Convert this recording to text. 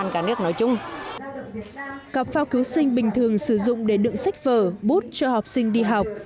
cặp phao cứu sinh bình thường sử dụng để đựng sách vở bút cho học sinh đi học